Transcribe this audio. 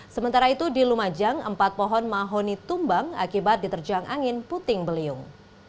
sementara itu di lumajang empat pohon mahoni tumbang akibat diterjang angin puting beliung